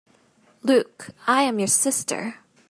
Luke, I am your sister!